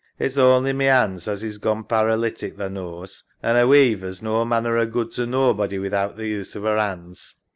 It's only my 'ands as is gone paralytic, tha knaws, an' a weaver's no manner o' good to nobody without th' use o' 'er 'ands.